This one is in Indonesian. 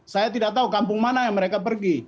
saya tidak tahu kampung mana yang mereka pergi